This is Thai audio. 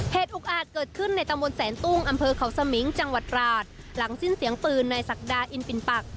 เหตุอุกอาจเกิดขึ้นในตำบลแสนตุ้งอำเภอเขาสมิงจังหวัดตราดหลังสิ้นเสียงปืนในศักดาอินปินปัก